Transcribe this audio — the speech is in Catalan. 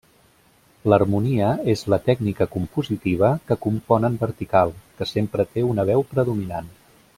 L'harmonia és la tècnica compositiva que compon en vertical, que sempre té una veu predominant.